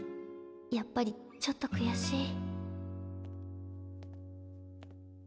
やっぱりちょっとくやしい。